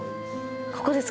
ここです